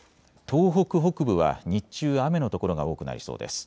東北北部は日中、雨の所が多くなりそうです。